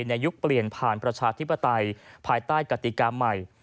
ยุคเปลี่ยนผ่านประชาธิปไตยภายใต้กติกาใหม่